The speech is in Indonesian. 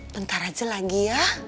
bentar aja lagi ya